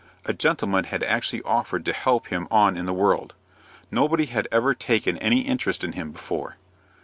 A gentleman had actually offered to help him on in the world. Nobody had ever taken any interest in him before.